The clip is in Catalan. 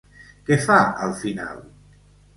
Què fa al final?